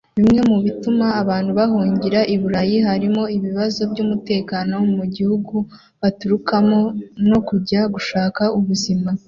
Bimwe mu bituma abantu bahungira i Burayi harimo ibibazo by’umutekano mu bihugu baturukamo no kujya gushaka ubuzima